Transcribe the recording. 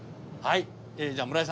はい。